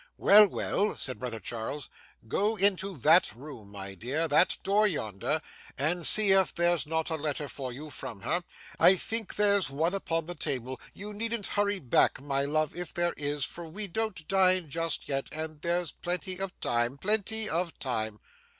'Well, well,' said brother Charles, 'go into that room, my dear that door yonder and see if there's not a letter for you from her. I think there's one upon the table. You needn't hurry back, my love, if there is, for we don't dine just yet, and there's plenty of time. Plenty of time.